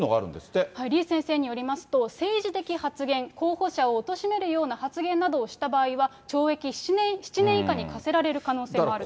李先生によりますと、政治的発言、候補者を貶めるような発言などをした場合は、懲役７年以下に科せられる可能性もあると。